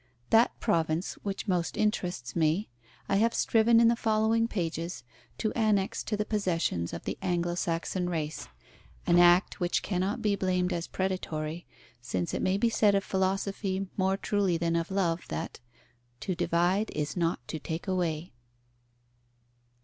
That province which most interests me, I have striven in the following pages to annex to the possessions of the Anglo Saxon race; an act which cannot be blamed as predatory, since it may be said of philosophy more truly than of love, that "to divide is not to take away."